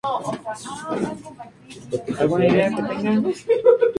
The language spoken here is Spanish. Nació y murió en Waltham, Massachusetts.